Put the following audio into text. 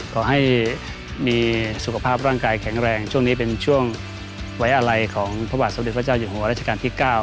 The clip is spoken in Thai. ขอให้มีสุขภาพร่างกายแข็งแรงช่วงนี้เป็นช่วงไว้อะไรของพระบาทสมเด็จพระเจ้าอยู่หัวราชการที่๙